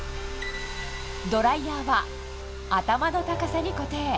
ドライヤーは、頭の高さに固定。